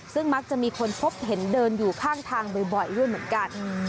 ซึ่งมักจะมีคนพบเห็นเดินอยู่ข้างทางบ่อยด้วยเหมือนกัน